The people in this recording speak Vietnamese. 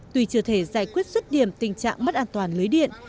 tuy chưa thể giải quyết xuất điểm tình trạng mất an toàn lưới điện